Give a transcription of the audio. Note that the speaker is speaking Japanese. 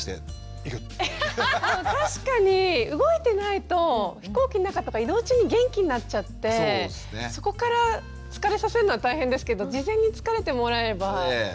確かに動いてないと飛行機の中とか移動中に元気になっちゃってそこから疲れさせるのは大変ですけど事前に疲れてもらえれば。